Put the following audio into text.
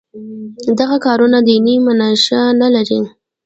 دغه کارونه دیني منشأ نه لري.